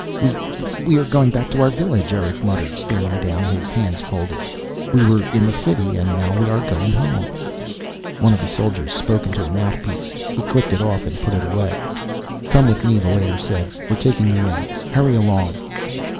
"We we are going back to our village," Erick muttered, staring down, his hands folded. "We were in the City, and now we are going home." One of the soldiers spoke into a mouthpiece. He clicked it off and put it away. "Come with me," the Leiter said. "We're taking you in. Hurry along."